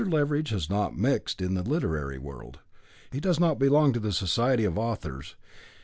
Leveridge has not mixed in the literary world. He does not belong to the Society of Authors.